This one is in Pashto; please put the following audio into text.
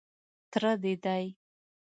_تره دې دی.